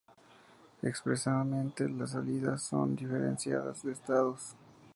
Expresamente, las salidas son diferenciadas de estados.